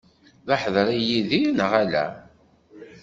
D aḥedri Yidir, neɣ ala?